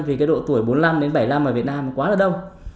vì cái độ tuổi bốn mươi năm đến bảy mươi năm ở việt nam quá là đông